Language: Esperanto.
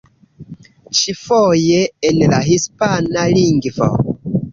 Ĉifoje en la hispana lingvo.